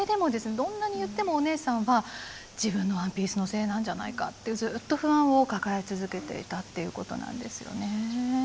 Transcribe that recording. どんなに言ってもお姉さんは自分のワンピースのせいなんじゃないかってずっと不安を抱え続けていたっていうことなんですよね。